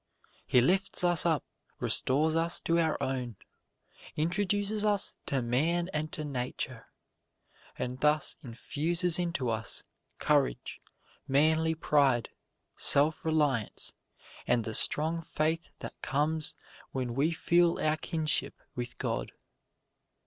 He lifts us up, restores us to our own, introduces us to man and to Nature, and thus infuses into us courage, manly pride, self reliance, and the strong faith that comes when we feel our kinship with God.